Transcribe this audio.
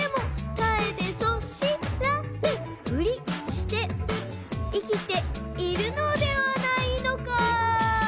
「そしらぬふりして」「生きているのではないのか」